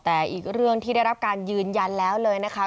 แต่อีกเรื่องที่ได้รับการยืนยันแล้วเลยนะคะ